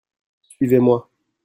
Suivez-moi.